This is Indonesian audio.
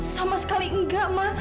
sama sekali nggak ma